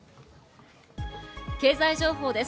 経済情報です。